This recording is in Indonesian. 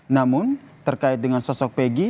namun terkait dengan sosok peggy